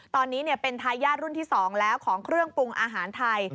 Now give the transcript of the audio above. ตอนนี้เป็นทายาทรุ่นที่๒แล้วของเครื่องปรุงอาหารไทย